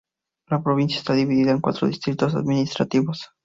La provincia está dividida en cuatro distritos administrativos.